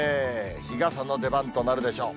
日傘の出番となるでしょう。